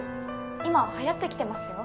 今流行ってきてますよ。